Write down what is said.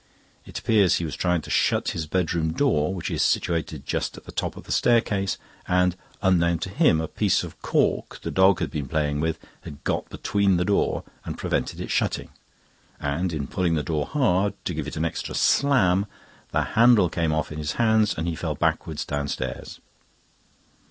It appears he was trying to shut his bedroom door, which is situated just at the top of the staircase, and unknown to him a piece of cork the dog had been playing with had got between the door, and prevented it shutting; and in pulling the door hard, to give it an extra slam, the handle came off in his hands, and he fell backwards downstairs.